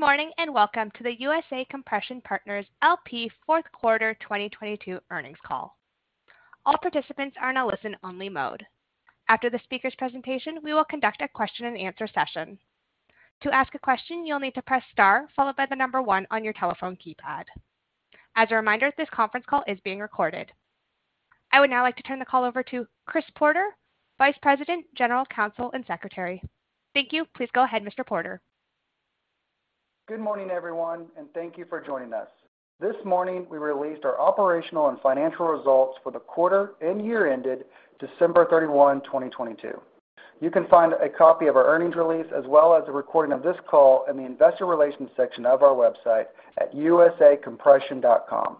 Good morning, welcome to the USA Compression Partners, LP fourth quarter 2022 earnings call. All participants are in a listen-only mode. After the speaker's presentation, we will conduct a question-and-answer session. To ask a question, you'll need to press Star followed by the number one on your telephone keypad. As a reminder, this conference call is being recorded. I would now like to turn the call over to Chris Porter, Vice President, General Counsel and Secretary. Thank you. Please go ahead, Mr. Porter. Good morning, everyone, and thank you for joining us. This morning, we released our operational and financial results for the quarter and year ended December 31, 2022. You can find a copy of our earnings release as well as a recording of this call in the Investor Relations section of our website at usacompression.com.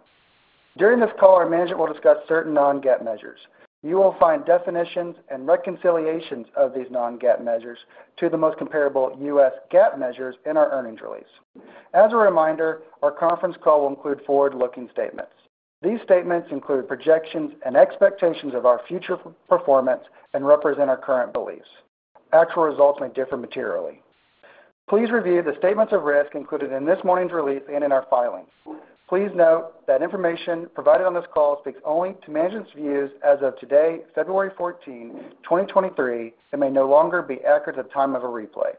During this call, our management will discuss certain non-GAAP measures. You will find definitions and reconciliations of these non-GAAP measures to the most comparable U.S. GAAP measures in our earnings release. As a reminder, our conference call will include forward-looking statements. These statements include projections and expectations of our future performance and represent our current beliefs. Actual results may differ materially. Please review the statements of risk included in this morning's release and in our filings. Please note that information provided on this call speaks only to management's views as of today, February 14th, 2023, and may no longer be accurate at the time of a replay.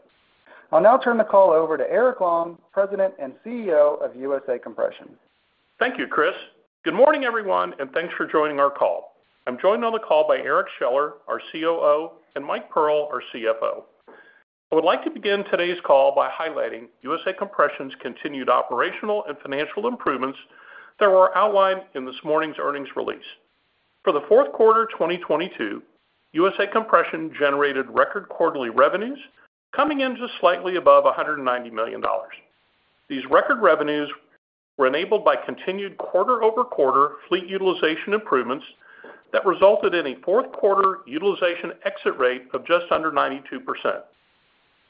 I'll now turn the call over to Eric Long, President and CEO of USA Compression. Thank you, Chris. Good morning, everyone, thanks for joining our call. I'm joined on the call by Eric Scheller, our COO, and Mike Pearl, our CFO. I would like to begin today's call by highlighting USA Compression's continued operational and financial improvements that were outlined in this morning's earnings release. For the fourth quarter 2022, USA Compression generated record quarterly revenues coming in just slightly above $190 million. These record revenues were enabled by continued quarter-over-quarter fleet utilization improvements that resulted in a fourth quarter utilization exit rate of just under 92%.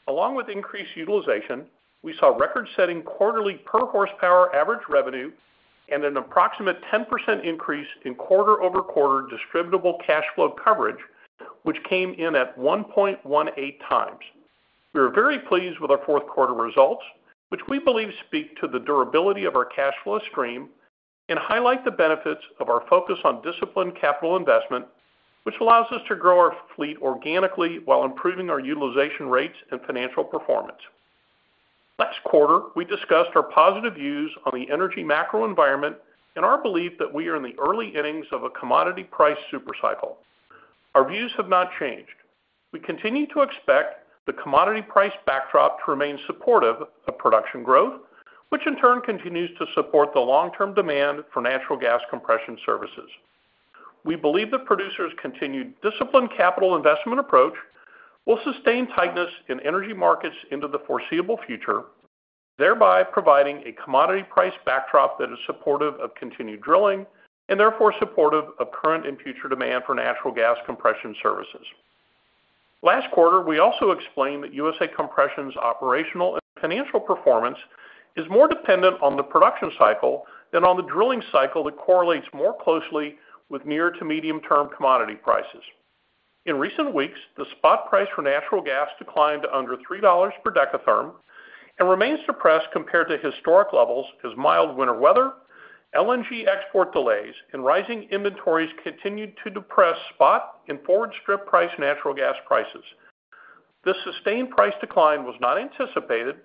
Along with increased utilization, we saw record-setting quarterly per horsepower average revenue and an approximate 10% increase in quarter-over-quarter distributable cash flow coverage, which came in at 1.18 times. We are very pleased with our fourth quarter results, which we believe speak to the durability of our cash flow stream and highlight the benefits of our focus on disciplined capital investment, which allows us to grow our fleet organically while improving our utilization rates and financial performance. Last quarter, we discussed our positive views on the energy macro environment and our belief that we are in the early innings of a commodity price super cycle. Our views have not changed. We continue to expect the commodity price backdrop to remain supportive of production growth, which in turn continues to support the long-term demand for natural gas compression services. We believe the producer's continued disciplined capital investment approach will sustain tightness in energy markets into the foreseeable future, thereby providing a commodity price backdrop that is supportive of continued drilling and therefore supportive of current and future demand for natural gas compression services. Last quarter, we also explained that USA Compression's operational and financial performance is more dependent on the production cycle than on the drilling cycle that correlates more closely with near to medium-term commodity prices. In recent weeks, the spot price for natural gas declined to under $3 per dekatherm and remains suppressed compared to historic levels as mild winter weather, LNG export delays, and rising inventories continued to depress spot and forward strip price natural gas prices. This sustained price decline was not anticipated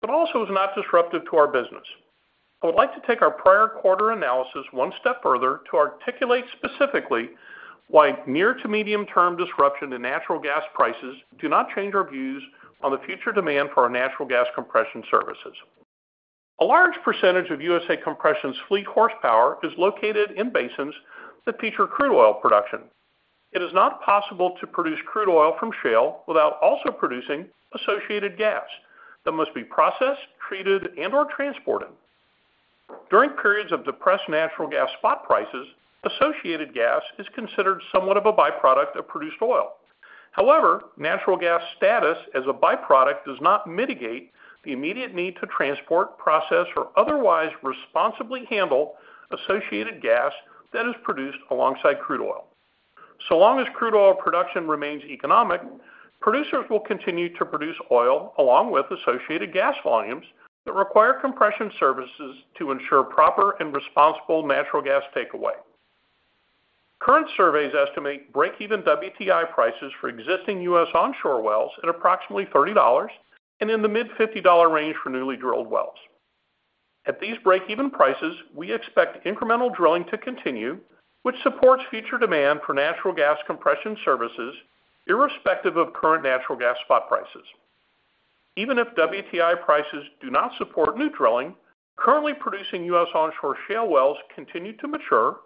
but also is not disruptive to our business. I would like to take our prior quarter analysis one step further to articulate specifically why near to medium-term disruption in natural gas prices do not change our views on the future demand for our natural gas compression services. A large percentage of USA Compression's fleet horsepower is located in basins that feature crude oil production. It is not possible to produce crude oil from shale without also producing associated gas that must be processed, treated, and/or transported. During periods of depressed natural gas spot prices, associated gas is considered somewhat of a byproduct of produced oil. Natural gas status as a byproduct does not mitigate the immediate need to transport, process, or otherwise responsibly handle associated gas that is produced alongside crude oil. Long as crude oil production remains economic, producers will continue to produce oil along with associated gas volumes that require compression services to ensure proper and responsible natural gas takeaway. Current surveys estimate break-even WTI prices for existing U.S. onshore wells at approximately $30 and in the mid-$50 range for newly drilled wells. At these break-even prices, we expect incremental drilling to continue, which supports future demand for natural gas compression services irrespective of current natural gas spot prices. Even if WTI prices do not support new drilling, currently producing U.S. onshore shale wells continue to mature,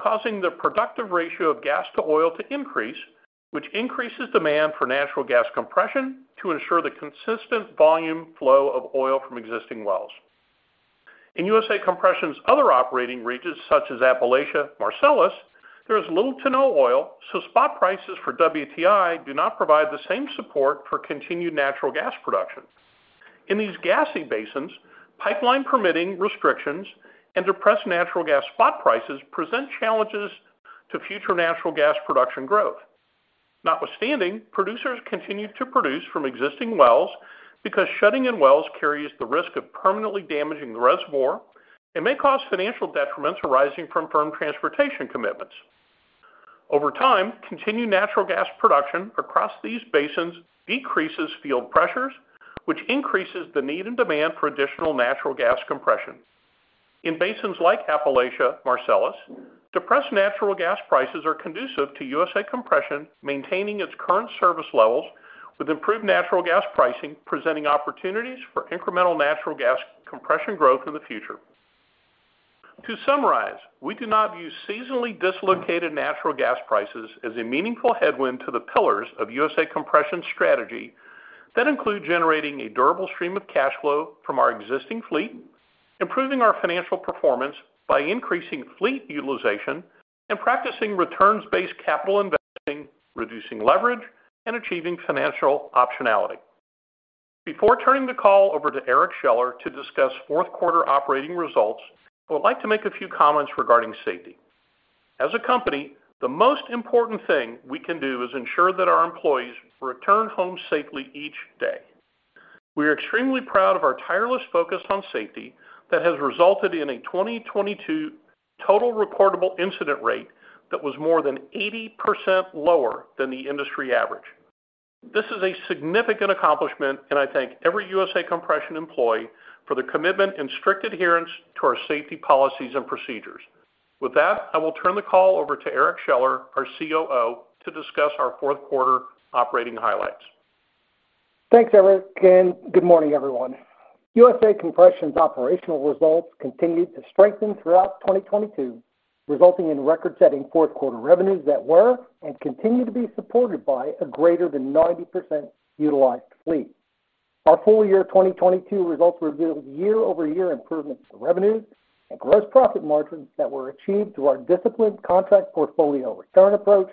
causing the productive ratio of gas to oil to increase, which increases demand for natural gas compression to ensure the consistent volume flow of oil from existing wells. In USA Compression's other operating regions, such as Appalachia Marcellus, there is little to no oil, so spot prices for WTI do not provide the same support for continued natural gas production. In these gassy basins, pipeline permitting restrictions and depressed natural gas spot prices present challenges to future natural gas production growth. Notwithstanding, producers continue to produce from existing wells because shutting in wells carries the risk of permanently damaging the reservoir and may cause financial detriments arising from firm transportation commitments. Over time, continued natural gas production across these basins decreases field pressures, which increases the need and demand for additional natural gas compression. In basins like Appalachia Marcellus, depressed natural gas prices are conducive to USA Compression maintaining its current service levels with improved natural gas pricing, presenting opportunities for incremental natural gas compression growth in the future. To summarize, we do not view seasonally dislocated natural gas prices as a meaningful headwind to the pillars of USA Compression strategy that include generating a durable stream of cash flow from our existing fleet, improving our financial performance by increasing fleet utilization, and practicing returns-based capital investing, reducing leverage and achieving financial optionality. Before turning the call over to Eric Scheller to discuss fourth quarter operating results, I would like to make a few comments regarding safety. As a company, the most important thing we can do is ensure that our employees return home safely each day. We are extremely proud of our tireless focus on safety that has resulted in a 2022 total recordable incident rate that was more than 80% lower than the industry average. This is a significant accomplishment, and I thank every USA Compression employee for their commitment and strict adherence to our safety policies and procedures. With that, I will turn the call over to Eric Scheller, our COO, to discuss our fourth quarter operating highlights. Thanks, Eric. Good morning, everyone. USA Compression's operational results continued to strengthen throughout 2022, resulting in record-setting fourth quarter revenues that were and continue to be supported by a greater than 90% utilized fleet. Our full year 2022 results revealed year-over-year improvements in revenues and gross profit margins that were achieved through our disciplined contract portfolio return approach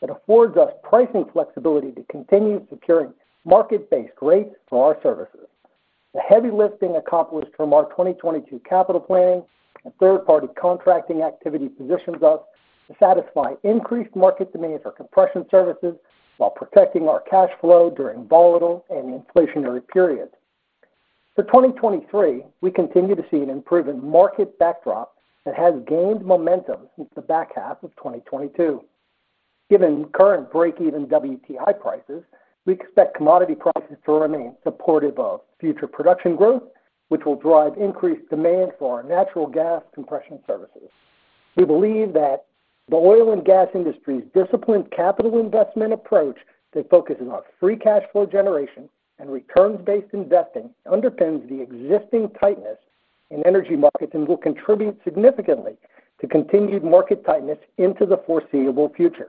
that affords us pricing flexibility to continue securing market-based rates for our services. The heavy lifting accomplished from our 2022 capital planning and third-party contracting activity positions us to satisfy increased market demand for compression services while protecting our cash flow during volatile and inflationary periods. For 2023, we continue to see an improving market backdrop that has gained momentum since the back half of 2022. Given current break-even WTI prices, we expect commodity prices to remain supportive of future production growth, which will drive increased demand for our natural gas compression services. We believe that the oil and gas industry's disciplined capital investment approach that focuses on free cash flow generation and returns-based investing underpins the existing tightness in energy markets and will contribute significantly to continued market tightness into the foreseeable future.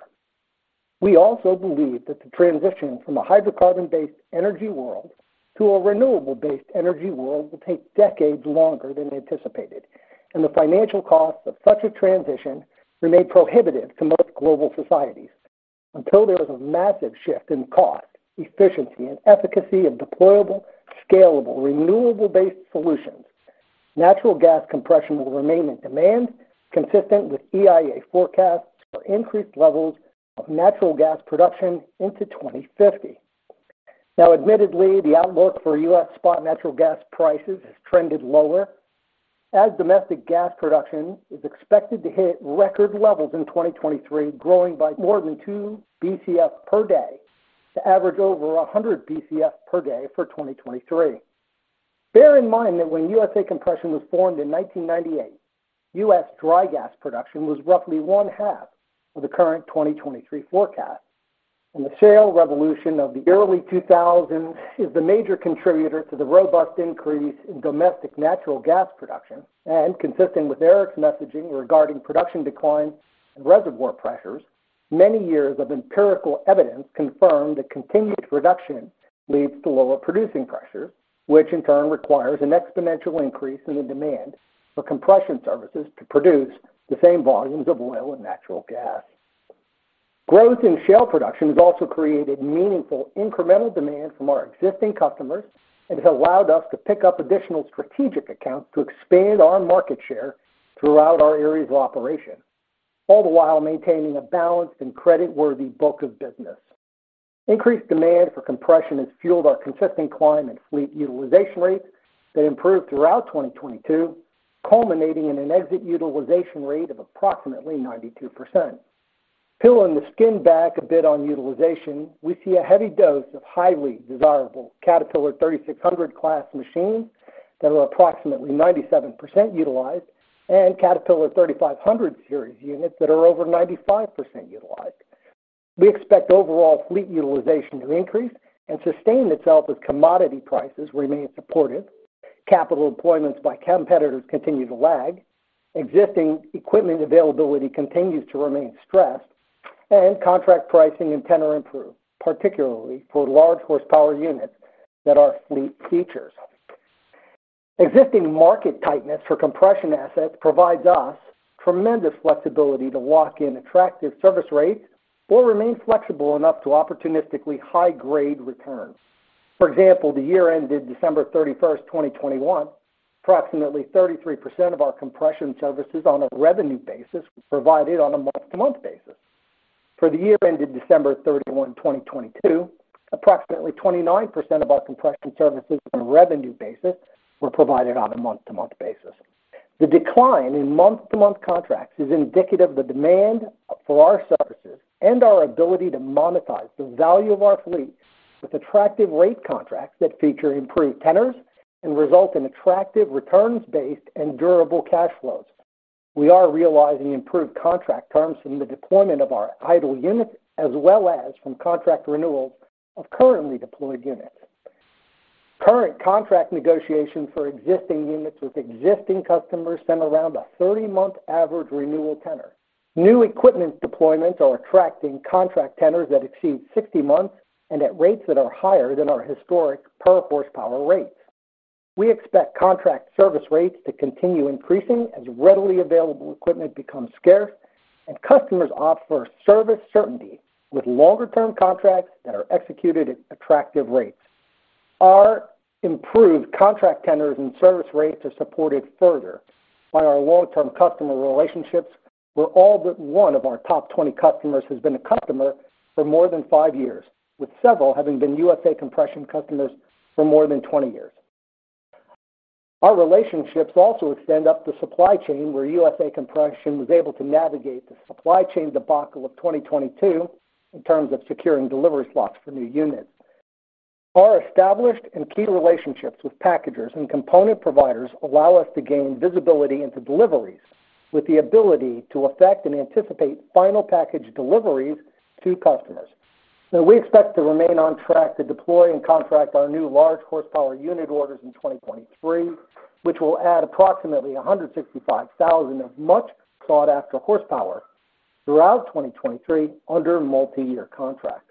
We also believe that the transition from a hydrocarbon-based energy world to a renewable-based energy world will take decades longer than anticipated, and the financial costs of such a transition remain prohibitive to most global societies. Until there is a massive shift in cost, efficiency, and efficacy of deployable, scalable, renewable-based solutions, natural gas compression will remain in demand consistent with EIA forecasts for increased levels of natural gas production into 2050. Now, admittedly, the outlook for U.S. spot natural gas prices has trended lower as domestic gas production is expected to hit record levels in 2023, growing by more than 2 BCF per day to average over 100 BCF per day for 2023. Bear in mind that when USA Compression was formed in 1998, U.S. dry gas production was roughly one-half of the current 2023 forecast. The shale revolution of the early 2000s is the major contributor to the robust increase in domestic natural gas production. Consistent with Eric's messaging regarding production declines and reservoir pressures, many years of empirical evidence confirm that continued production leads to lower producing pressure, which in turn requires an exponential increase in the demand for compression services to produce the same volumes of oil and natural gas. Growth in shale production has also created meaningful incremental demand from our existing customers and has allowed us to pick up additional strategic accounts to expand our market share throughout our areas of operation, all the while maintaining a balanced and creditworthy book of business. Increased demand for compression has fueled our consistent climb in fleet utilization rates that improved throughout 2022, culminating in an exit utilization rate of approximately 92%. Peeling the skin back a bit on utilization, we see a heavy dose of highly desirable Caterpillar thirty-six hundred class machines that are approximately 97% utilized and Caterpillar thirty-five hundred series units that are over 95% utilized. We expect overall fleet utilization to increase and sustain itself as commodity prices remain supportive, capital employments by competitors continue to lag, existing equipment availability continues to remain stressed, and contract pricing and tenure improve, particularly for large horsepower units that our fleet features. Existing market tightness for compression assets provides us tremendous flexibility to lock in attractive service rates or remain flexible enough to opportunistically high-grade returns. For example, the year ended December 31st, 2021, approximately 33% of our compression services on a revenue basis were provided on a month-to-month basis. For the year ended December 31, 2022, approximately 29% of our compression services on a revenue basis were provided on a month-to-month basis. The decline in month-to-month contracts is indicative of the demand for our services and our ability to monetize the value of our fleet with attractive rate contracts that feature improved tenors and result in attractive returns-based and durable cash flows. We are realizing improved contract terms from the deployment of our idle units as well as from contract renewals of currently deployed units. Current contract negotiations for existing units with existing customers spend around a 30-month average renewal tenor. New equipment deployments are attracting contract tenors that exceed 60 months and at rates that are higher than our historic per horsepower rates. We expect contract service rates to continue increasing as readily available equipment becomes scarce and customers opt for service certainty with longer term contracts that are executed at attractive rates. Our improved contract tenors and service rates are supported further by our long-term customer relationships, where all but one of our top 20 customers has been a customer for more than five years, with several having been USA Compression customers for more than 20 years. Our relationships also extend up the supply chain, where USA Compression was able to navigate the supply chain debacle of 2022 in terms of securing delivery slots for new units. Our established and key relationships with packagers and component providers allow us to gain visibility into deliveries with the ability to affect and anticipate final package deliveries to customers. We expect to remain on track to deploy and contract our new large horsepower unit orders in 2023, which will add approximately 165,000 of much sought after horsepower throughout 2023 under multi-year contracts.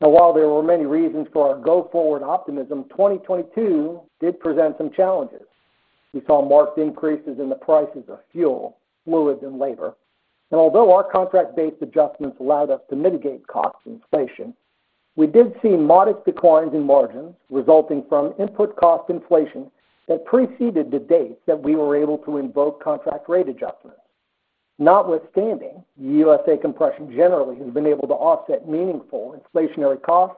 While there were many reasons for our go forward optimism, 2022 did present some challenges. We saw marked increases in the prices of fuel, fluids and labor. Although our contract-based adjustments allowed us to mitigate cost inflation, we did see modest declines in margins resulting from input cost inflation that preceded the dates that we were able to invoke contract rate adjustments. Notwithstanding, USA Compression generally has been able to offset meaningful inflationary costs,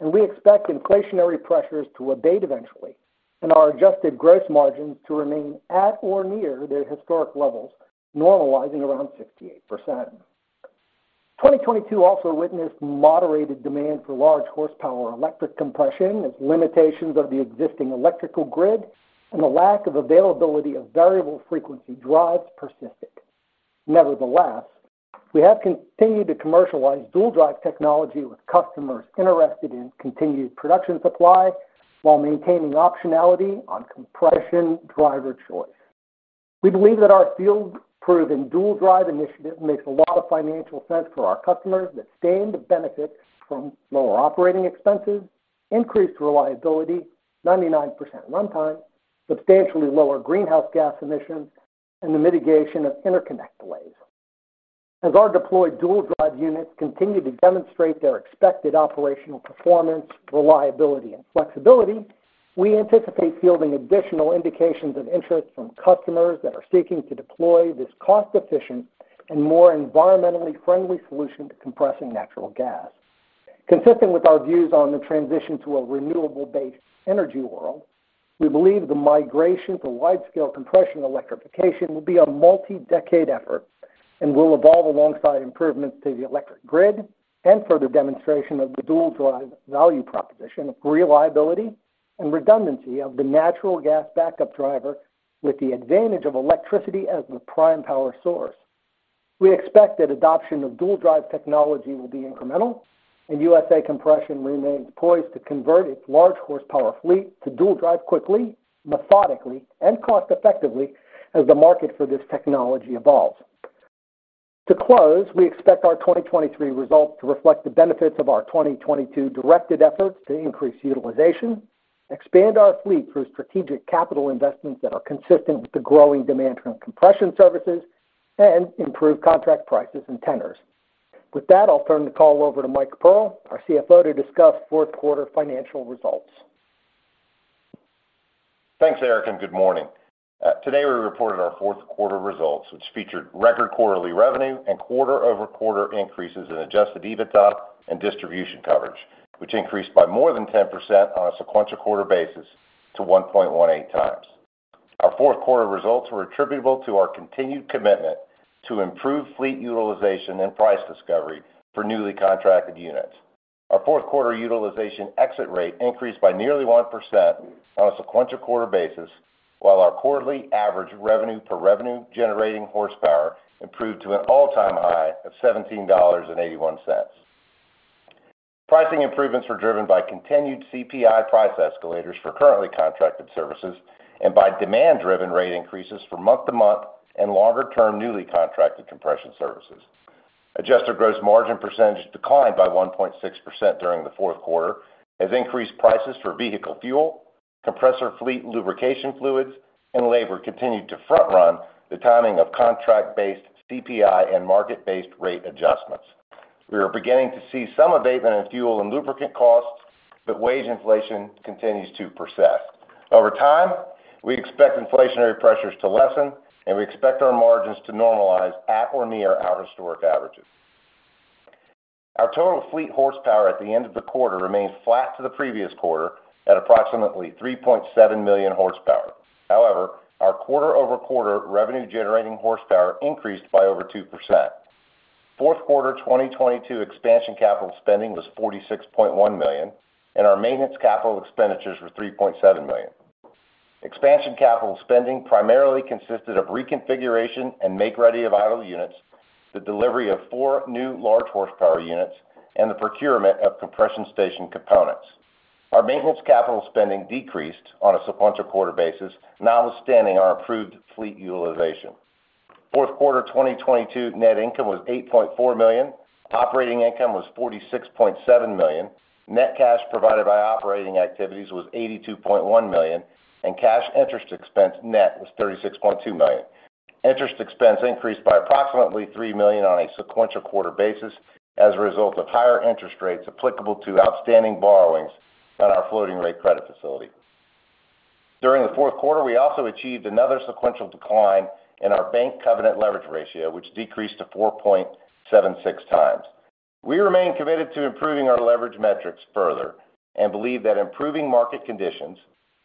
and we expect inflationary pressures to abate eventually and our Adjusted gross margins to remain at or near their historic levels, normalizing around 68%. 2022 also witnessed moderated demand for large horsepower electric compression as limitations of the existing electrical grid and the lack of availability of variable frequency drives persisted. Nevertheless, we have continued to commercialize Dual Drive technology with customers interested in continued production supply while maintaining optionality on compression driver choice. We believe that our field proven Dual Drive initiative makes a lot of financial sense for our customers that stand to benefit from lower operating expenses, increased reliability, 99% runtime, substantially lower greenhouse gas emissions, and the mitigation of interconnect delays. As our deployed Dual Drive units continue to demonstrate their expected operational performance, reliability and flexibility, we anticipate fielding additional indications of interest from customers that are seeking to deploy this cost efficient and more environmentally friendly solution to compressing natural gas. Consistent with our views on the transition to a renewable based energy world, we believe the migration to widescale compression electrification will be a multi-decade effort and will evolve alongside improvements to the electric grid and further demonstration of the Dual Drive value proposition of reliability and redundancy of the natural gas backup driver with the advantage of electricity as the prime power source. We expect that adoption of Dual Drive technology will be incremental and USA Compression remains poised to convert its large horsepower fleet to Dual Drive quickly, methodically and cost effectively as the market for this technology evolves. To close, we expect our 2023 results to reflect the benefits of our 2022 directed efforts to increase utilization, expand our fleet through strategic capital investments that are consistent with the growing demand from compression services, and improve contract prices and tenors. With that, I'll turn the call over to Mike Pearl, our CFO, to discuss fourth quarter financial results. Thanks Eric. Good morning. Today we reported our fourth quarter results, which featured record quarterly revenue and quarter-over-quarter increases in Adjusted EBITDA and distribution coverage, which increased by more than 10% on a sequential quarter basis to 1.18 times. Our fourth quarter results were attributable to our continued commitment to improved fleet utilization and price discovery for newly contracted units. Our fourth quarter utilization exit rate increased by nearly 1% on a sequential quarter basis, while our quarterly average revenue per revenue-generating horsepower improved to an all-time high of $17.81. Pricing improvements were driven by continued CPI price escalators for currently contracted services and by demand driven rate increases for month-to-month and longer term newly contracted compression services. Adjusted gross margin percentage declined by 1.6% during the fourth quarter as increased prices for vehicle fuel, compressor fleet lubrication fluids and labor continued to front-run the timing of contract-based CPI and market-based rate adjustments. We are beginning to see some abatement in fuel and lubricant costs, wage inflation continues to persist. Over time, we expect inflationary pressures to lessen, and we expect our margins to normalize at or near our historic averages. Our total fleet horsepower at the end of the quarter remained flat to the previous quarter at approximately 3.7 million horsepower. However, our quarter-over-quarter revenue-generating horsepower increased by over 2%. Fourth quarter 2022 expansion capital spending was $46.1 million, and our maintenance capital expenditures were $3.7 million. Expansion capital spending primarily consisted of reconfiguration and make-ready of idle units, the delivery of four new large horsepower units, and the procurement of compression station components. Our maintenance capital spending decreased on a sequential quarter basis notwithstanding our approved fleet utilization. Fourth quarter 2022 net income was $8.4 million. Operating income was $46.7 million. Net cash provided by operating activities was $82.1 million, and cash interest expense net was $36.2 million. Interest expense increased by approximately $3 million on a sequential quarter basis as a result of higher interest rates applicable to outstanding borrowings on our floating rate credit facility. During the fourth quarter, we also achieved another sequential decline in our bank covenant leverage ratio, which decreased to 4.76 times. We remain committed to improving our leverage metrics further and believe that improving market conditions,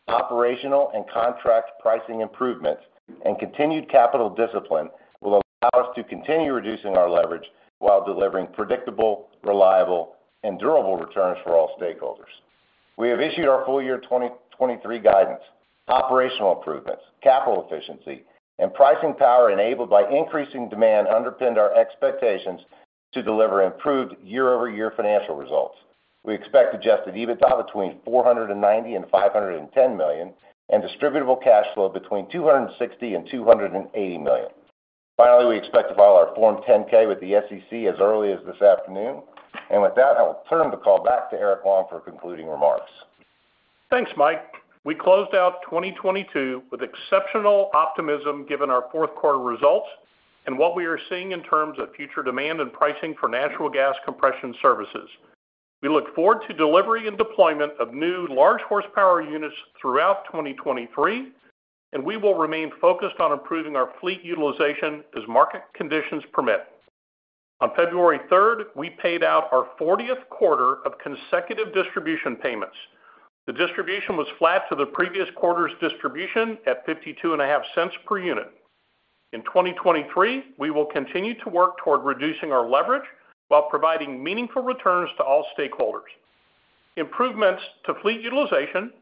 operational and contract pricing improvements, and continued capital discipline will allow us to continue reducing our leverage while delivering predictable, reliable, and durable returns for all stakeholders. We have issued our full year 2023 guidance. Operational improvements, capital efficiency, and pricing power enabled by increasing demand underpinned our expectations to deliver improved year-over-year financial results. We expect Adjusted EBITDA between $490 million and $510 million, and distributable cash flow between $260 million and $280 million. Finally, we expect to file our Form 10-K, with the SEC as early as this afternoon. With that, I will turn the call back to Eric Long for concluding remarks. Thanks, Mike. We closed out 2022 with exceptional optimism given our fourth quarter results and what we are seeing in terms of future demand and pricing for natural gas compression services. We look forward to delivery and deployment of new large horsepower units throughout 2023, and we will remain focused on improving our fleet utilization as market conditions permit. On February 3rd 2022, we paid out our 40th quarter of consecutive distribution payments. The distribution was flat to the previous quarter's distribution at $0.525 Per unit. In 2023, we will continue to work toward reducing our leverage while providing meaningful returns to all stakeholders. Improvements to fleet utilization,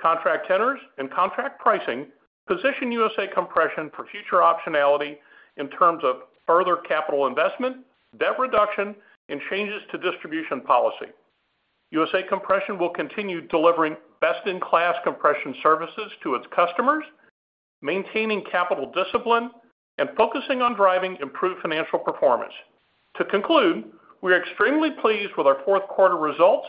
contract tenors, and contract pricing position USA Compression for future optionality in terms of further capital investment, debt reduction, and changes to distribution policy. USA Compression will continue delivering best-in-class compression services to its customers, maintaining capital discipline, and focusing on driving improved financial performance. To conclude, we are extremely pleased with our fourth quarter results,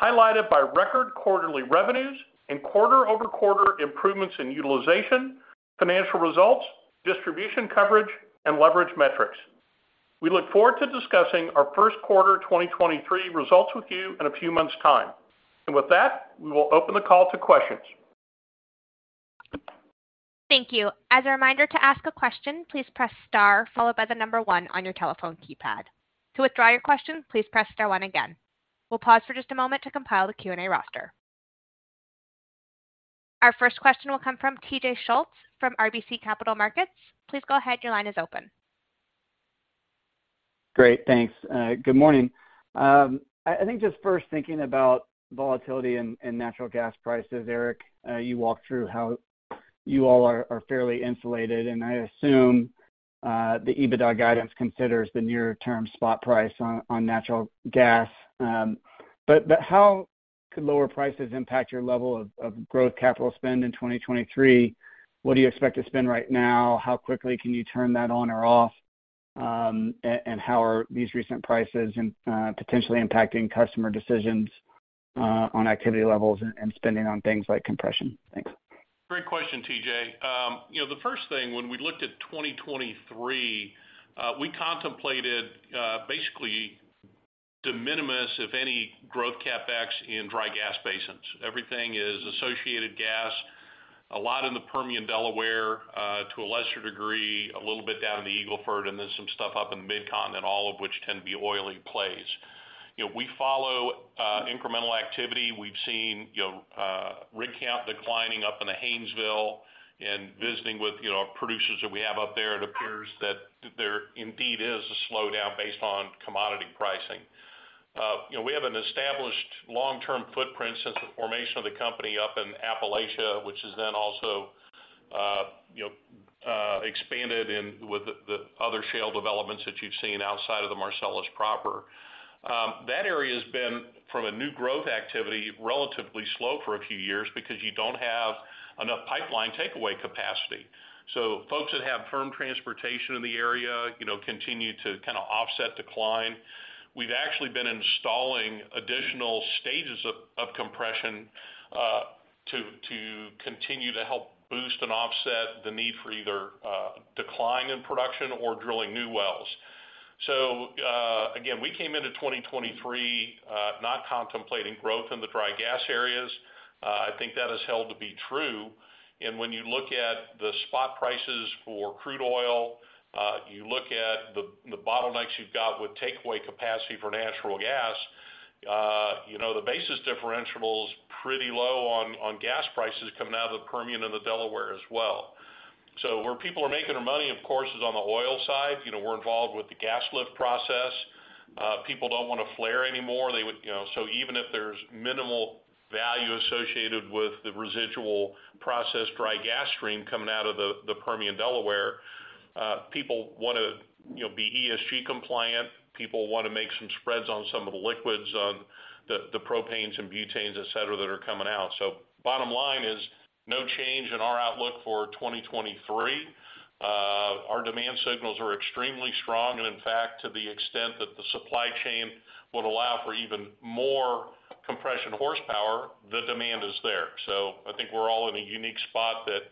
highlighted by record quarterly revenues and quarter-over-quarter improvements in utilization, financial results, distribution coverage, and leverage metrics. We look forward to discussing our first quarter 2023 results with you in a few months' time. With that, we will open the call to questions. Thank you. As a reminder to ask a question, please press star followed by the number one on your telephone keypad. To withdraw your question, please press star one again. We'll pause for just a moment to compile the Q&A roster. Our first question will come from TJ Schultz from RBC Capital Markets. Please go ahead, your line is open. Great. Thanks. Good morning. I think just first thinking about volatility in natural gas prices, Eric, you walked through how you all are fairly insulated, and I assume the EBITDA guidance considers the near-term spot price on natural gas. How could lower prices impact your level of growth capital spend in 2023? What do you expect to spend right now? How quickly can you turn that on or off? How are these recent prices, potentially impacting customer decisions, on activity levels and spending on things like compression? Thanks. Great question, TJ. You know, the first thing when we looked at 2023, we contemplated basically de minimis if any growth CapEx in dry gas basins. Everything is associated gas, a lot in the Permian Delaware, to a lesser degree, a little bit down in the Eagle Ford, and then some stuff up in Midcontinent, all of which tend to be oily plays. You know, we follow incremental activity. We've seen, you know, rig count declining up in the Haynesville and visiting with, you know, producers that we have up there. It appears that there indeed is a slowdown based on commodity pricing. You know, we have an established long-term footprint since the formation of the company up in Appalachia, which is also, you know, expanded in with the other shale developments that you've seen outside of the Marcellus proper. That area has been from a new growth activity, relatively slow for a few years because you don't have enough pipeline takeaway capacity. Folks that have firm transportation in the area, you know, continue to kind of offset decline. We've actually been installing additional stages of compression. To help boost and offset the need for either decline in production or drilling new wells. Again, we came into 2023 not contemplating growth in the dry gas areas. I think that is held to be true. When you look at the spot prices for crude oil, you look at the bottlenecks you've got with takeaway capacity for natural gas, you know, the basis differential's pretty low on gas prices coming out of the Permian and the Delaware as well. Where people are making their money, of course, is on the oil side. You know, we're involved with the gas lift process. People don't wanna flare anymore. They would, you know even if there's minimal value associated with the residual process dry gas stream coming out of the Permian Delaware, people wanna, you know, be ESG compliant, people wanna make some spreads on some of the liquids on the propanes and butanes, et cetera, that are coming out. Bottom line is no change in our outlook for 2023. Our demand signals are extremely strong. In fact, to the extent that the supply chain would allow for even more compression horsepower, the demand is there. I think we're all in a unique spot that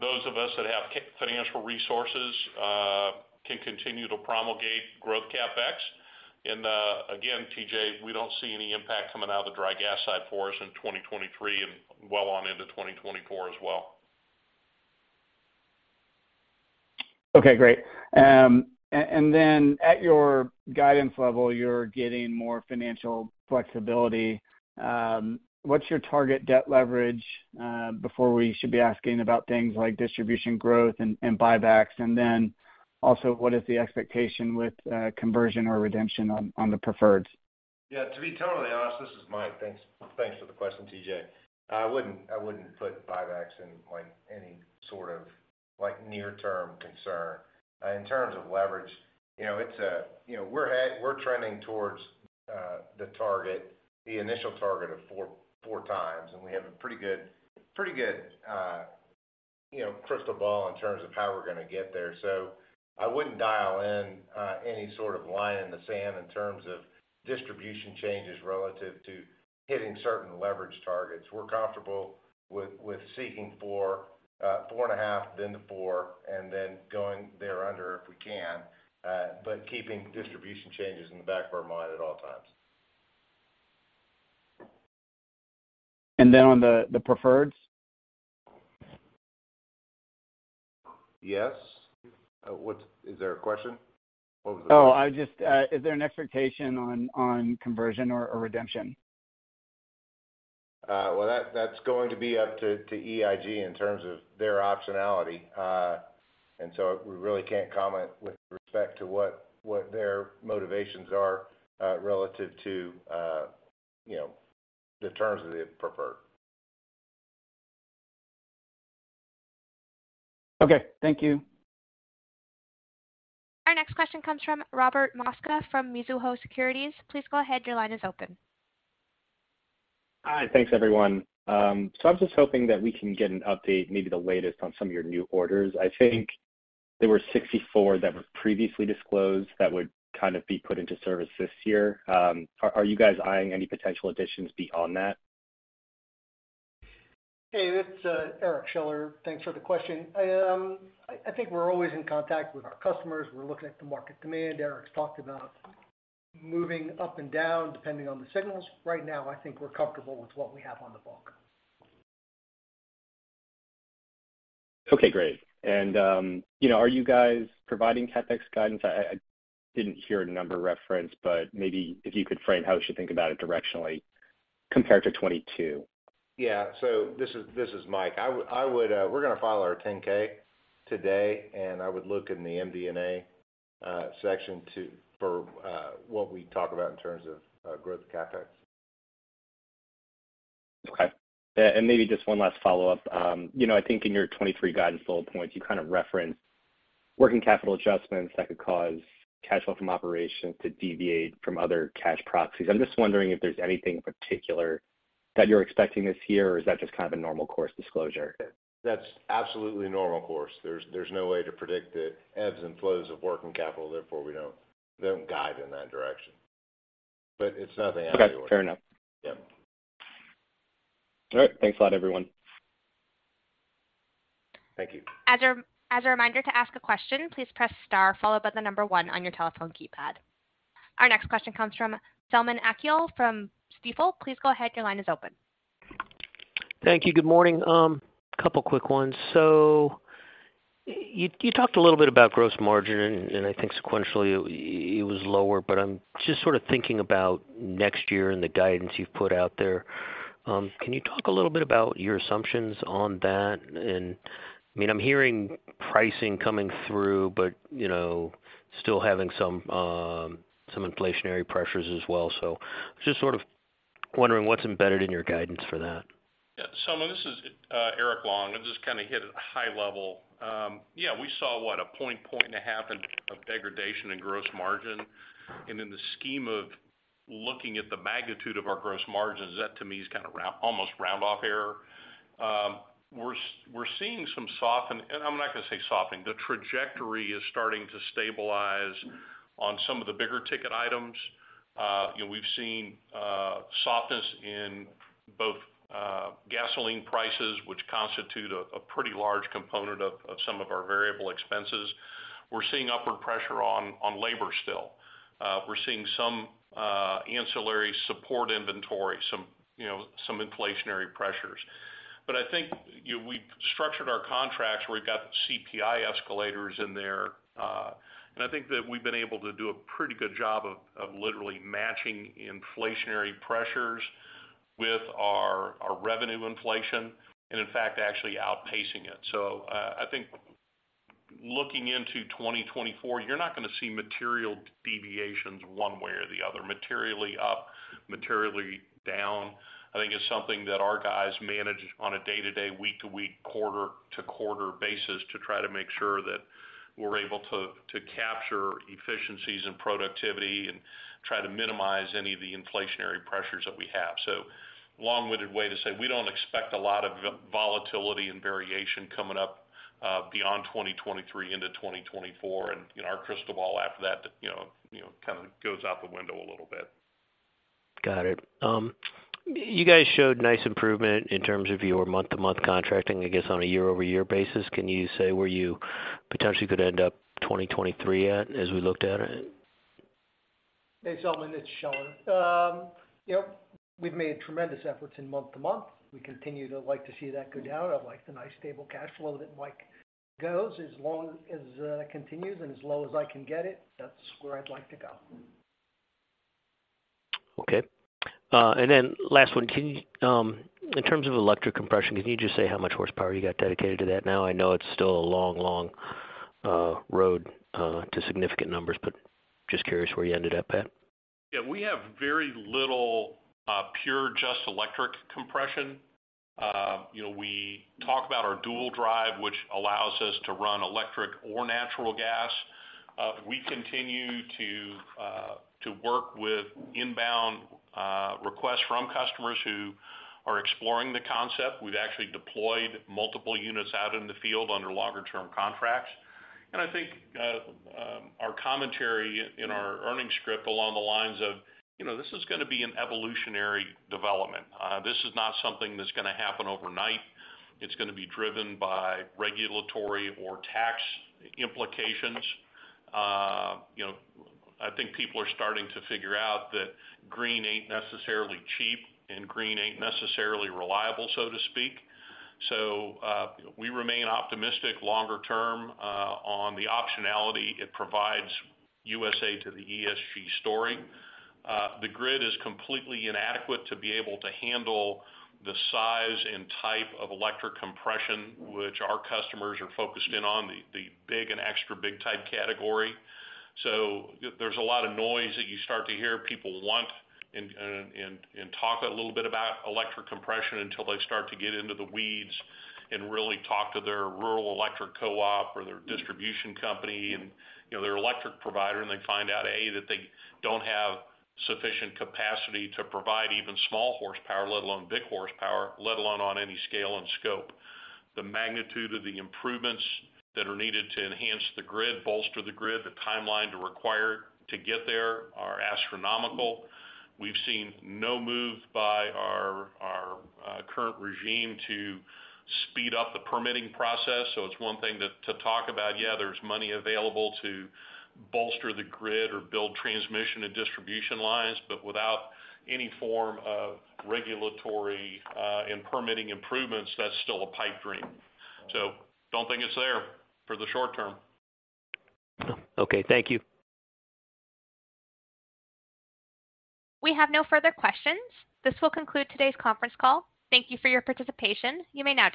those of us that have financial resources, can continue to promulgate growth CapEx. Again, TJ, we don't see any impact coming out of the dry gas side for us in 2023 and well on into 2024 as well. Okay, great. And then at your guidance level, you're getting more financial flexibility. What's your target debt leverage before we should be asking about things like distribution growth and buybacks? Also, what is the expectation with conversion or redemption on the preferred? Yeah, to be totally honest, this is Mike. Thanks for the question, TJ. I wouldn't put buybacks in, like, any sort of, like, near-term concern. In terms of leverage, you know, it's, you know, we're trending towards the target, the initial target of four times, and we have a pretty good, you know, crystal ball in terms of how we're going to get there. I wouldn't dial in any sort of line in the sand in terms of distribution changes relative to hitting certain leverage targets. We're comfortable with seeking four and a half, then to four, and then going thereunder if we can, but keeping distribution changes in the back of our mind at all times. On the preferred? Yes. Is there a question? What was that? Is there an expectation on conversion or redemption? Well, that's going to be up to EIG in terms of their optionality. We really can't comment with respect to what their motivations are, relative to, you know, the terms of the preferred. Okay, thank you. Our next question comes from Robert Mosca from Mizuho Securities. Please go ahead, your line is open. Hi. Thanks, everyone. I'm just hoping that we can get an update, maybe the latest on some of your new orders. I think there were 64 that were previously disclosed that would kind of be put into service this year. Are you guys eyeing any potential additions beyond that? Hey, this is Eric Scheller. Thanks for the question. I think we're always in contact with our customers. Eric's talked about moving up and down depending on the signals. Right now, I think we're comfortable with what we have on the books. Okay, great. You know, are you guys providing CapEx guidance? I didn't hear a number referenced, but maybe if you could frame how we should think about it directionally compared to 2022. Yeah. This is Mike. We're gonna file our 10-K, today, and I would look in the MD&A section for what we talk about in terms of growth CapEx. Okay. Maybe just one last follow-up. you know, I think in your 2023 guidance bullet points, you kind of referenced working capital adjustments that could cause cash flow from operations to deviate from other cash proxies. I'm just wondering if there's anything in particular that you're expecting this year, or is that just kind of a normal course disclosure? That's absolutely normal course. There's no way to predict the ebbs and flows of working capital, therefore, we don't guide in that direction. It's nothing out of the ordinary. Okay. Fair enough. Yeah. All right. Thanks a lot, everyone. Thank you. As a reminder to ask a question, please press star followed by the number one on your telephone keypad. Our next question comes from Selman Akyol from Stifel. Please go ahead, your line is open. Thank you. Good morning. A couple quick ones. You talked a little bit about gross margin, and I think sequentially it was lower. I'm just sort of thinking about next year and the guidance you've put out there. Can you talk a little bit about your assumptions on that? I mean, I'm hearing pricing coming through, but, you know, still having some inflationary pressures as well. Just sort of wondering what's embedded in your guidance for that. Yeah. Selman, this is Eric Long. I'll just kind of hit it high level. Yeah, we saw, what, 1%, 1.5% of degradation in gross margin. In the scheme of looking at the magnitude of our gross margins, that to me is kind of almost round off error. We're seeing some soften. I'm not gonna say softening. The trajectory is starting to stabilize on some of the bigger ticket items. You know, we've seen softness in both gasoline prices, which constitute a pretty large component of some of our variable expenses. We're seeing upward pressure on labor still. We're seeing some ancillary support inventory, some, you know, some inflationary pressures. I think, you know, we structured our contracts where we've got CPI escalators in there, and I think that we've been able to do a pretty good job of literally matching inflationary pressures with our revenue inflation and, in fact, actually outpacing it. I think looking into 2024, you're not gonna see material deviations one way or the other. Materially up, materially down, I think it's something that our guys manage on a day-to-day, week-to-week, quarter-to-quarter basis to try to make sure that we're able to capture efficiencies and productivity and try to minimize any of the inflationary pressures that we have. Long-winded way to say we don't expect a lot of volatility and variation coming up beyond 2023 into 2024. You know, our crystal ball after that, you know, kind of goes out the window a little bit. Got it. You guys showed nice improvement in terms of your month-to-month contracting, I guess, on a year-over-year basis. Can you say where you potentially could end up 2023 at as we looked at it? Hey, Selman, it's Sean. you know, we've made tremendous efforts in month to month. We continue to like to see that go down. I like the nice stable cash flow that Mike goes. As long as, it continues and as low as I can get it, that's where I'd like to go. Okay. Last one. In terms of electric compression, can you just say how much horsepower you got dedicated to that now? I know it's still a long, long road to significant numbers, but just curious where you ended up at. Yeah, we have very little pure just electric compression. You know, we talk about our Dual Drive, which allows us to run electric or natural gas. We continue to work with inbound requests from customers who are exploring the concept. We've actually deployed multiple units out in the field under longer term contracts. I think, our commentary in our earnings script along the lines of, you know, this is gonna be an evolutionary development. This is not something that's gonna happen overnight. It's gonna be driven by regulatory or tax implications. You know, I think people are starting to figure out that green ain't necessarily cheap and green ain't necessarily reliable, so to speak. We remain optimistic longer term on the optionality it provides USA to the ESG story. The grid is completely inadequate to be able to handle the size and type of electric compression which our customers are focused in on, the big and extra big type category. There's a lot of noise that you start to hear. People want and talk a little bit about electric compression until they start to get into the weeds and really talk to their rural electric co-op or their distribution company and, you know, their electric provider, and they find out, A, that they don't have sufficient capacity to provide even small horsepower, let alone big horsepower, let alone on any scale and scope. The magnitude of the improvements that are needed to enhance the grid, bolster the grid, the timeline to require to get there are astronomical. We've seen no move by our current regime to speed up the permitting process. It's one thing to talk about, yeah, there's money available to bolster the grid or build transmission and distribution lines, but without any form of regulatory and permitting improvements, that's still a pipe dream. Don't think it's there for the short term. Okay, thank you. We have no further questions. This will conclude today's conference call. Thank you for your participation. You may now disconnect.